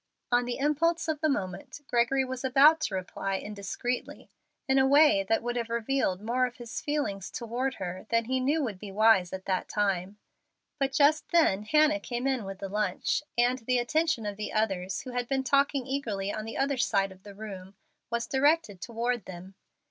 On the impulse of the moment, Gregory was about to reply indiscreetly in a way that would have revealed more of his feelings toward her than he knew would be wise at that time. But just then Hannah came in with the lunch, and the attention of the others, who had been talking eagerly on the other side of the room, was directed toward them.